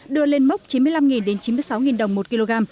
đưa lên mốc chín mươi năm chín mươi sáu đồng một kg